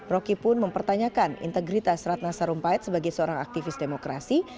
roky pun mempertanyakan integritas ratna sarumpait sebagai seorang aktivis demokrasi